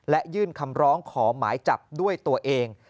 และยื่นคำร้องขอหมายจับด้วยตัวเอง